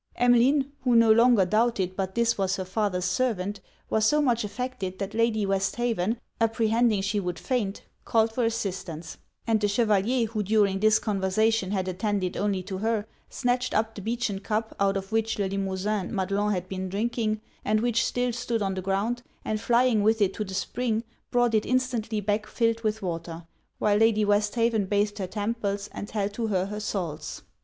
_' Emmeline, who no longer doubted but this was her father's servant, was so much affected, that Lady Westhaven, apprehending she would faint, called for assistance; and the Chevalier, who during this conversation had attended only to her, snatched up the beechen cup out of which Le Limosin and Madelon had been drinking, and which still stood on the ground, and flying with it to the spring, brought it instantly back filled with water; while Lady Westhaven bathed her temples and held to her her salts.